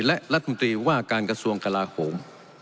และรัฐมนตรีว่าการกระทรวงกลาโหม